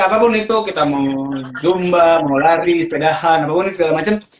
apapun itu kita mau domba mau lari sepedahan apapun segala macem